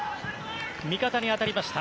味方に当たりました。